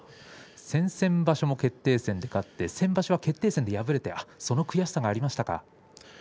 先々場所も決定戦で勝って先場所は決定戦で敗れてその悔しさがありましたか。